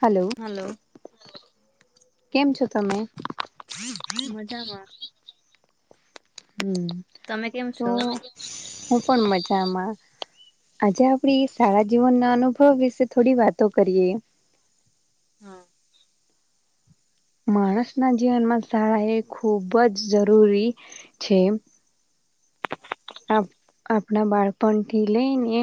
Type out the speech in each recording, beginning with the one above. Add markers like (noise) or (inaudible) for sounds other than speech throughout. Hello કેમ છો તમે મજામાં હમ તમે કેમ તો છો હું પણ મજામાં આજે આપડી સારા જીવનના અનુભવ વિશે થોડી વાતો કરીએ હમ માણસના જીવનમાં શાળા એ ખૂબ જ જરૂરી છે આપણા બાળપણ થી લઈને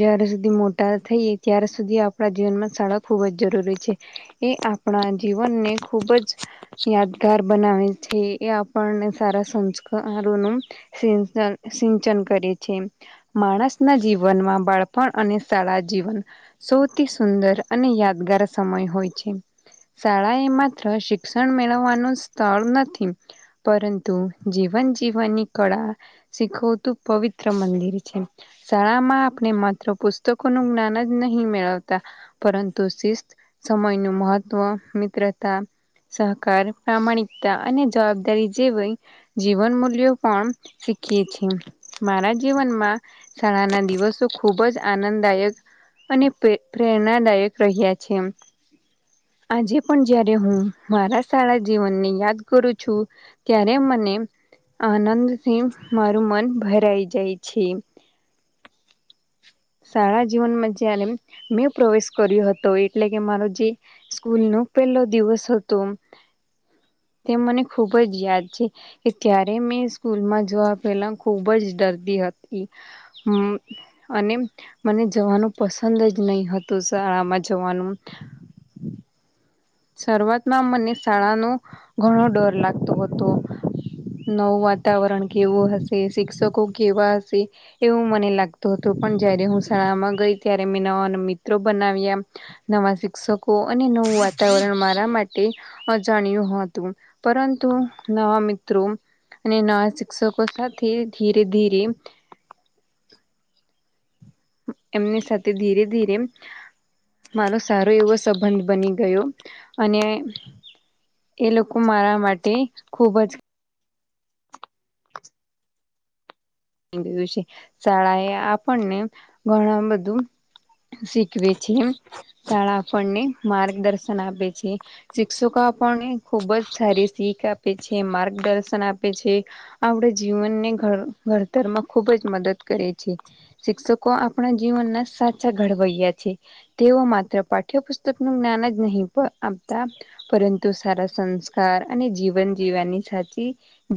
જયાર સુધી મોટા થઈએ ત્યાર સુધી આપણા જીવનમાં શાળા ખૂબ જ જરૂરી છે એ આપણા જીવનને ખૂબ જ યાદગાર બનાવે છે એ આપણને સારા સંસ્કારોનું સિંચન સિંચન કરે છે માણસ ના જીવનમાં બાળપણ અને શાળા જીવન સૌથી સુંદર અને યાદગાર સમય હોય છે શાળા એ માત્ર શિક્ષણ મેળવવાનું સ્થળ નથી પરંતુ જીવન જીવનની કળા શીખવતું પવિત્ર મંદિર છે શાળામાં આપણે માત્ર પુસ્તકો નું જ્ઞાન જ નહીં મેળવતા પરંતુ શિસ્ત સમય ન મહત્વ મિત્રતા સહકાર પ્રામાણિકતા અને જવાબદારી જેવી જીવન મૂલ્ય પણણ શિક મારા જીવનમાં શાળા ના દિવસો ખુબ જ આનંદદાયક અને પ્રેરણાદાયક રહ્યા છે આજે પણ જ્યારે હું મારા સળા જીવનને યાદ કરું છું ત્યારે મને આનંદથી મારું મન ભરાઈ જાય છે શાળા જીવનમાં જ મેં પ્રવેશ કર્યો હતો એટલે કે મારો જે સ્કૂલ નો પેલો દિવસ હતો તે મને ખુબ જ યાદ છે. ત્યારે મેં સ્કૂલમાં જોવા પેલા ખુબ જ ડરતી હતી. હ અને મને જવાનું પસંદ જ નહી હતું શાળામાં જવાનું શરૂઆતમાં મને શાળાનો ઘણો ડર લાગતો હતો નવું વાતાવરણ કેવું હશે શિક્ષકો કેવા હશે એવું મને લાગ તું હતો પણ જયારે હું શાળામાં ગઈ ત્યારે મેં નવા મિત્રો બનાવ્યા નવા શિ ક્ષકો અને નવું વાત માટે અજણ્યું હતું પરંતુ નવા મિત્રો અને નવા શિક્ષકો સાથે ધીરે ધીરે એમની સાથે ધીરે ધીરે મારો સારો એવો સંબંધ બની ગયો અને એ લોકો મારા માટે ખુબ જ (inaudible) (unintelligible) છે શાળા એ આપણને ઘણા બધું શીખવે છે એ શાળા આપણને માર્ગદર્શન આપે છે. શિક્ષકો આપણને ખૂબ જ સારી શીખ આપે છે, માર્ગદર્શન આપે છે. આપણા જીવનને ઘર ઘડતર માં ખુબ જ મદદ કરે છે. શિક્ષકો આપણા જીવનના સાચા ઘડવૈયા છે. તેઓ માત્ર પાઠ્યપુસ્તક નું જ્ઞાન જ નહીં પણ આપતા પરંતુ સારા સંસ્કાર અને જીવન જીવવાની સાચી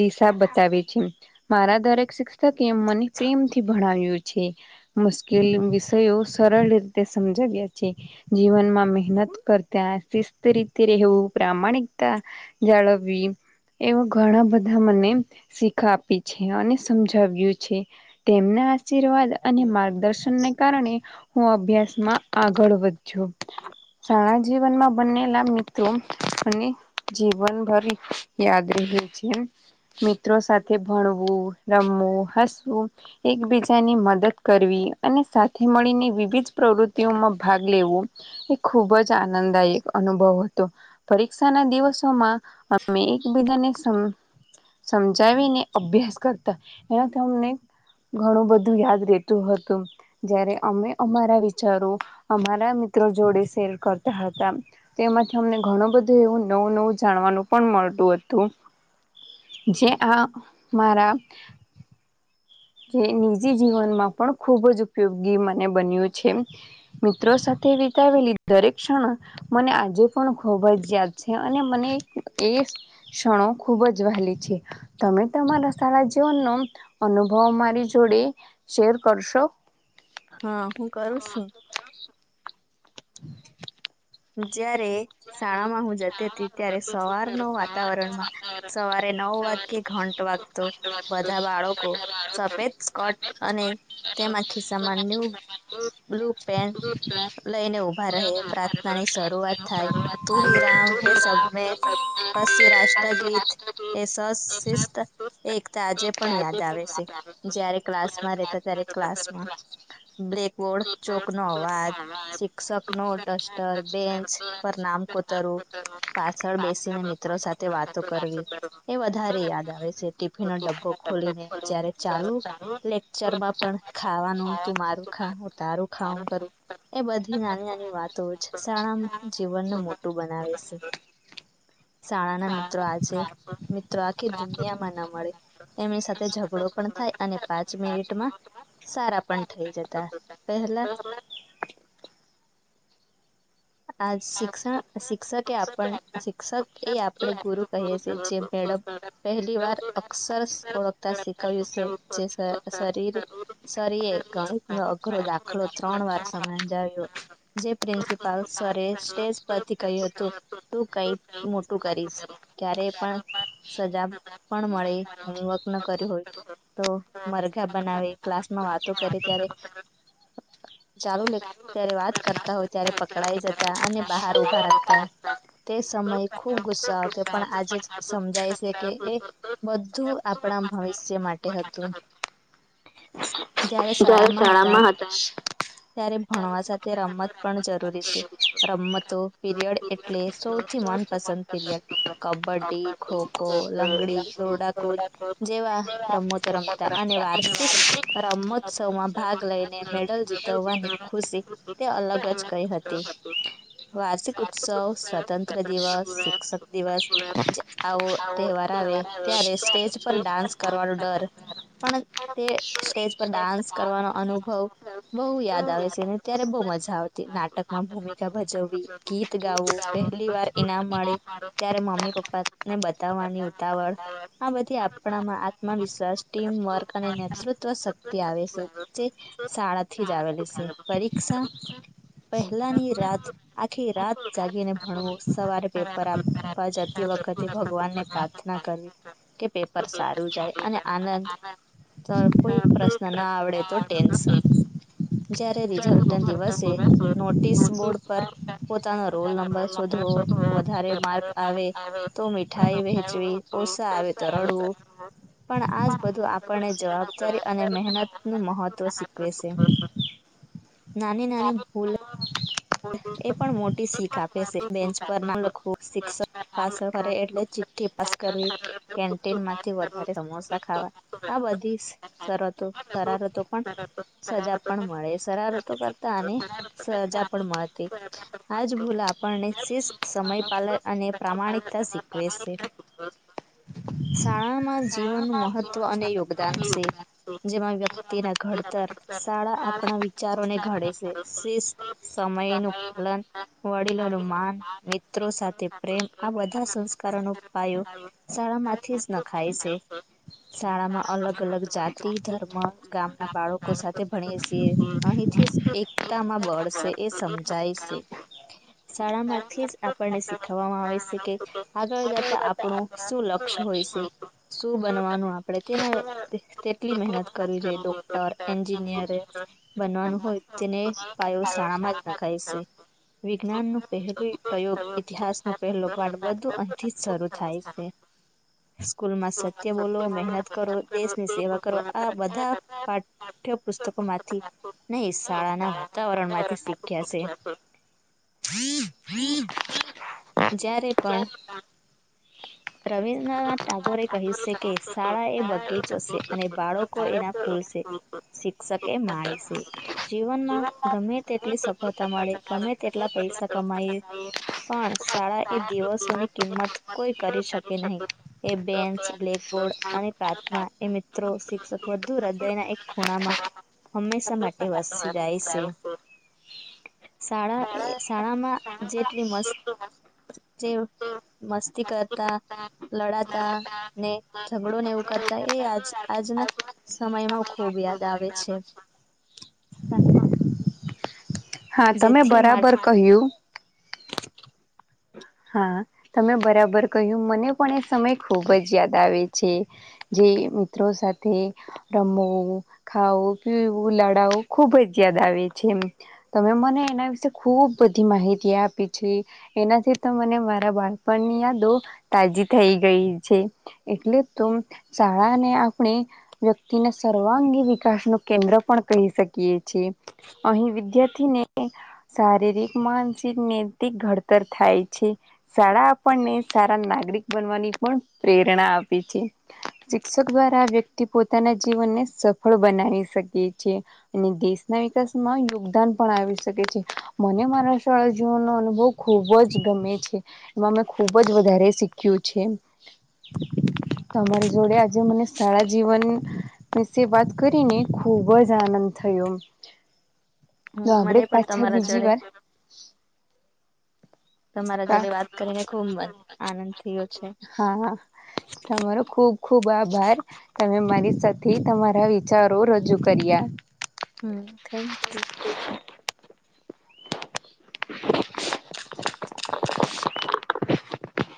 દિશા બતાવે છે મારા દરેક શિક્ષકે એમ મને પ્રેમ થી ભણાવ્યું છે. મુશ્કેલ વિષયો સરળ રીતે સમજાવ્યા છે. જીવનમાં મહેનત કરતાં શિસ્ત રીતે રહેવું પ્રમાણિકતા જાળવવી એવા ઘણા બધા મને શીખા આપી છે અને સમજાવ્યું છે. તેમના આશીર્વાદ અને માર્ગદર્શનને કારણે હું અભ્યાસમાં આગળ વધજો શાણા જીવનમાં બનેલા મિત્રો અને જીવનભરી યાદ રહે છે મિત્રો સાથે ભણવું રમવું હસવું એકબીજાની મદદ કરવી અને સાથે મળીને વિવિધ પ્રવૃત્તિઓમાં ભાગ લેવો એ ખૂબ જ આનંદદાયક અનુભવ હતો પરીક્ષા ના દિવસોમાં અમે એકબીજાને સમ સમજાવીને અભ્યાસ કરતા એમાં તમને ઘણું બધું યાદ રેતું હતું. જયારે અમે અમારા વિચારો અમારા મિત્રો જોડે શેર કરતા હતા તેમાંથી અમને ઘણું બધું એવું નવું નવું જાણવાનું પણ મળતું હતું જેે આ મારા જે નિજી જીવનમાં પણ ખૂબ જ ઉપયોગી મને બન્યું છે. મિત્રો સાથે વિતાવેલી દરેક ક્ષણ મને આજે પણ ખુબ જ યાદ છે, અને મને એ ક્ષણો ખુબ જ વાહલી છે. તમે તમારા સારા જીવનનો અનુભવ મારી જોડે શેર કરશો? હા હું કરું છું. (inaudible) જ્યારે શાળામાં હું જતી હતી ત્યારે સવાર નુ વાતાવરણમાં સવારે નવ વાગ કે ઘંટ વાગ તો બધા બાળકો સફેદ સ્કટ અને તેમાં ખિસ્સામાં ન્યુ બ્લુ પેન્ટ લઈને ઉભા રહે પ્રાર્થના ની શરૂઆત થાય તું હિ રામ હે સબ મેં પછી રાષ્ટ્રગીત એ સશિષ્ટ એ એકતા આજે પણ યાદ આવે છે જય્યારે ક્લાસમાં રહેતા ત્યારે ક્લાસમાં બ્કબોર્ડ ચોક નો અવાજ શિક્ષક નો ટસ્ટર બેન્ચ પર નામ કોતરવું પાછળ બેસીને મિત્રો સાથે વાતો કરવી. એ વધારે યાદ આવે છે ટિફિનનો ડબ્બો ખોલીને જયારે ચાલુ. લેકચરમાં પણ ખાવાનું તું મારું ખાું તારું ખા કરું એ બધી નાની નાની વાતો જ શાળા જીવનનું મોટું બનાવે છે. શાળાના મિત્રો આજે મિત્રો આખી દુનિયામાં ના મળે એમની સાથે ઝઘડો પણ થાય અને પાંચ મિનિટમાં સારા પણ થઈ જતા પેલા આ શિક્ષણ શિક્ષકે આપણ શિક્ષક એ આપણે ગુરુ કહીએ છીએ જે મેડમ પહેલી વાર અક્ષર ઓળખતા શીખવ્યું છે જે શરીર શરી એ ગણિત નો અઘરો દાખ ત્રણ વાર સમ આવ્યો જે પ્રિ પલ્સરે સ્ટેજ પરથી કહ્યું હતું તું કઈ મોટું કરીશ ક્યારે પણ સજા પણ મળે હોમવર્ક ન કર્યું હોય તો મરઘા બનાવે ક્લાસમાં વાતો કરી ત્યારે ચાલુે ત્યારે વાત કરતા હોય ત્યારે પકડાાય જતા અને બહાર ઉભા રાખતા તે સમય ખુબ ગુસ્સા હતો પણ આજે જ સમજાય છે કે એ બધું આપણા ભવિષ્ય માટે હતું જારે શાળા માં હતા ત્યારે ભણવા સાથે રમત પણ જતી રમતો પીરિયડ એટલે સૌથી મનપસંદ પીરિયડ કબ્ડી ખોખો લંગડી દોરડાકુદ જેવા રમતો રમતા અને વાર્ષિક રમ્મોત્સવમાં ભાગ લઈને મેડલ જીતવવાની ખુશી તે અલગ જ કઈ હતી વાર્ષિક ઉત્સવ સ્વતંત્ર દિવસ શિક્ષક દિવસ આવો તહેવાર આવે ત્યારે સ્ટેજ પર ડાન્સ કરવાનો ડર પણ તે સ્ટેજ પર ડાન્સ કરવાનો અનુભવ બહુ યાદ આવે છે ને ત્યારે બહુ મજા આવશે નાટક માં ભૂમિકા ભજવવી ગીત ગાવું પહેલી વાર ઈનામ મળે ત્યારે મમ્મી પપ્પા ને બતાવવાની ઉતાવળ આ બધી આપણામાં આત્મવિશ્વાસ ટીમ વર્ક અને નેતૃત્વ શક્તિ આવે છે જે શાળાથી જ આવેલી છે પરીક્ષા પહેલાની રાત આખી રાત જાગીને ભણવું સવારે પેપર આપ પણ જતી વખતે ભગવાનને પ્રાર્થના કરવી કે પેપર સારું જાય અને આનંદ કોઈ પ્રશ્ન ના આવડે તો ટેન્શન જયારે રિઝલ્ટ ના દિવસે નોટિસ બોર્ડ પર પોતાનો રોલ નંબર શોધવો વધારે માર્ક આવે તો મીઠાઈ વહેચવી ઓછા આવે તો રડવું હા પણ આજ બધું આપણને જવાબદારી અને મહેનત નું મહત્વ શીખવે છે. હ નાની નાની ભૂલ એ પણ મોટી શીખ આપે છે બેન્ચ પર નામ લખું શિક્ષક પાસ કરે એટલે ચિઠ્ઠી પાસ કરવી કેન્ટીન માંથી વધારે સમોસા ખાવા આ બધી સરતો સરાર હતો પણ સજા પણ મળે સરારતો કરતા આને સજા પણ મળતી આજ ભૂલ આપણને શિસ્ત સમય પાલન અને પ્રામાણિકતા શીખવે સે. બ શાળામાં જીવનનું મહત્વ અને યોગદાન સે. જેમાં વ્યક્તિના ઘડતર, સાળા આપણા વિચારોને ઘડે સે, શિસ્ત સમયનું પાલન વડીલોનું માન, મિત્રો સાથે પ્રેમ આ બધા સંસ્કારોનું ઉપાયો સારામાંથી જ નખાય છે. શાળામાં અલગ અલગ જાતિ, ધર્મ ગામના બાળકો સાથે ભણીએ સીએ. અહીંથી એકતામાં બળશે એ સમજાય સે. શાળા માંથી જ આપણને શીખવવામાં આવે સે કે આગળ જતા આપણું શું લક્ષ્ય હોય સે, શું બનવાનું આપણેે તેને તેટલી મહેનત કરવી જોઈએ ડોક્ટર, એન્જિનિયરે બનવાનું હોય તેને પાયો શાણામાં જ નખાય સે. વિજ્ઞાન નું પહેલું પ્રયોગ ઇતિહાસ ન પહેલો પાઠ બધું અહીંથી જ શરુ થાય સે. સ્કૂલમાં સત્ય બોલો, મહેનત કરો, દેશની સેવા કરો આ બધા પાઠ ઠય પુસ્તકો માંથી નહી, શાળાના વાતાવરણ માંથી શીખ્યા છે, જ્યારે પણ રવિન્દ્રનાથ ટાગોરે કહ્યું સે કે શાળા એ બગીચો છે, અને બાળકો એના ફૂલ શે. શિક્ષકે મારી છે. જીવનમાં ગમે તેટલી સફળતા મળે, ગમે તેટલા પૈસા કમાઈએ. પણ શાળા એ દિવસોની કિંમત કોઈ કરી શકે નહીં. એ બેન્ચ, બ્લેકબોર્ડ અને પ્રાર્થના એ મિત્રો, શિક્ષક બધુ હૃદયના એક ખૂણામાં હંમેશા માટે વસી જાય છે. શાળા એ શાળામાં જેટલી મસ્ત જે મસ્તી કર તા લડાતા ને ઝઘડો ને એવું કરતા એ આજ આજના સમયમાં ખુબ યાદ આવે છે. હા તમે જેથી બરાબર કહ્યું હા. તમે બરાબર કહ્યું મને પણ એ સમય ખુબ જ યાદ આવે છે. જે મિત્રો સાથે રમવું, ખાવું, પીવું, લડાવું ખુબ જ યાદ આવે છે એ. તમે મને એના વિશે ખુબ બધી માહિતી આપી છે, એનાથી તો મને મારા બાળપણની યાદો તાજી થઈ ગઈ છે. એટલે ત શળા ને આપણે વ્યક્તિને સર્વાંગી વિકાસ નું કેન્દ્ર પણ કહી શકીએ છીએ. અહીં વિદ્યાર્થીને શારીરિક, માનસિક, નૈતિક ઘડતર થાય છે. શાળા આપણને સારા નાગરિક બનવાની પણ પ્રેરણા આપે છે. શિક્ષક દ્વારા આ વ્યક્તિ પોતાના જીવનને સફળ બનાવી શકી છે. અને દેશના વિકાસમાં યોગદાન પણ આવી શકે છે, મને મારા શાળા જીવનનો અનુભવ ખૂબ જ ગમે છે, એમાં મેં ખૂબ જ વધારે શીખ્યું છે. તમારી જોડે આજે મને સારા જીવન વિશે વાત કરીને ખૂબ જ આનંદ થયો. તો મને આપડે પણ પાછા તમારા બીજી જોડે વાર તમારા જોડે વાત કરીને ખુબ મન આનંદ થયો છે. હા તમારો ખુબ ખુબ આભાર. તમે મારી સાથે તમારા વિચારો રજૂ કર્યા. હમ્મ થેન્ક યુ.